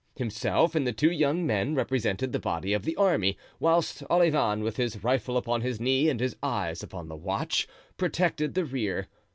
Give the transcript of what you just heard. Himself and the two young men represented the body of the army, whilst Olivain, with his rifle upon his knee and his eyes upon the watch, protected the rear.